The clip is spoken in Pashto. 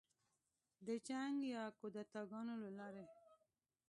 د جنګ یا کودتاه ګانو له لارې